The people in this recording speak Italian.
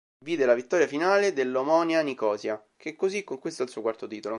Vide la vittoria finale dell'Omonia Nicosia, che così conquistò il suo quarto titolo.